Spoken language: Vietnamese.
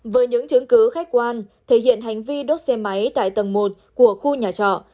với những chứng cứ khách quan thể hiện hành vi đốt xe máy tại tầng một của khu nhà trọ